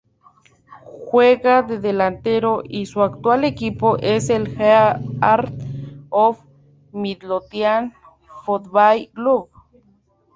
Juega de delantero y su actual equipo es el Heart of Midlothian Football Club.